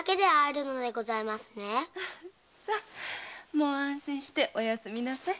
もう安心しておやすみなさい。